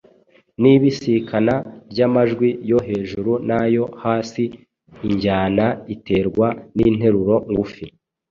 n’ibisikana ry’amajwi yo hejuru n’ayo hasi, injyana iterwa n’interuro ngufi